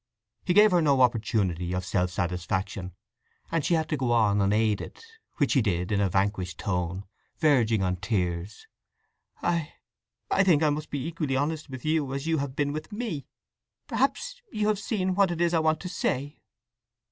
He gave her no opportunity of self satisfaction, and she had to go on unaided, which she did in a vanquished tone, verging on tears: "I—I think I must be equally honest with you as you have been with me. Perhaps you have seen what it is I want to say?